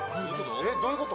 ・えっどういうこと？